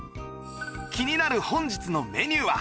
気になる本日のメニューは